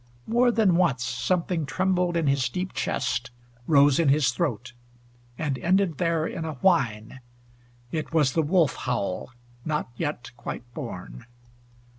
More than once something trembled in his deep chest, rose in his throat, and ended there in a whine. It was the wolf howl, not yet quite born.